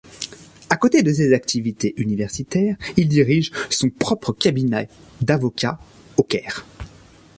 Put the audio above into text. À côté de ses activités universitaires, il dirige son propre cabinet d'avocat au Caire.